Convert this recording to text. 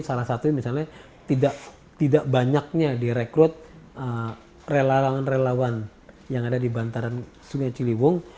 salah satunya misalnya tidak banyaknya direkrut relawan relawan yang ada di bantaran sungai ciliwung